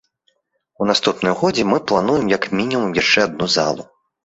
У наступным годзе мы плануем як мінімум яшчэ адну залу.